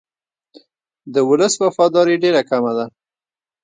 د ولس وفاداري ډېره کمه ده.